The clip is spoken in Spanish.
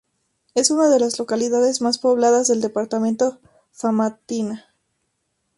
Es una de las localidades más pobladas del departamento Famatina.